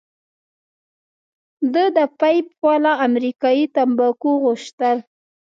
ده د پیپ والا امریکايي تمباکو غوښتل.